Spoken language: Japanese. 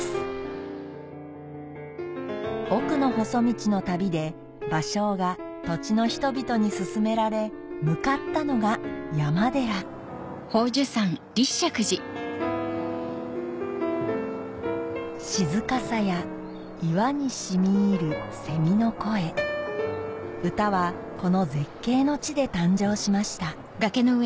『奥の細道』の旅で芭蕉が土地の人々にすすめられ向かったのが山寺歌はこの絶景の地で誕生しました